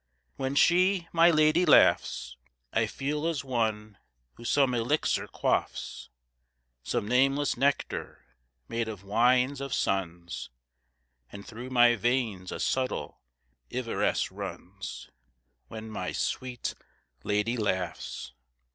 When she, my lady laughs, I feel as one who some elixir quaffs; Some nameless nectar, made of wines of suns, And through my veins a subtle iveresse runs. When my sweet lady laughs.